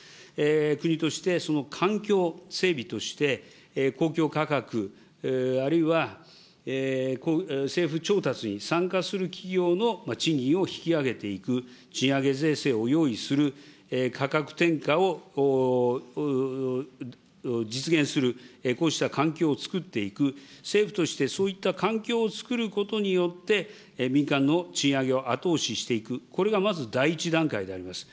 国としてその環境整備として、公共価格、あるいは政府調達に参加する企業の賃金を引き上げていく、賃上げ税制を用意する、価格転嫁を実現する、こうした環境をつくっていく、政府としてそういった環境をつくることによって、民間の賃上げを後押ししていく、これがまず第１段階であります。